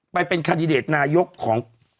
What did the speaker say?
ไปเป็นคาดิเดตนายกของ